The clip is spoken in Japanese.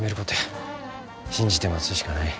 信じて待つしかない。